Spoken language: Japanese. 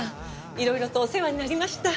いろいろとお世話になりました。